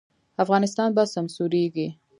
افغانستان به سمسوریږي